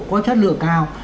có chất lượng cao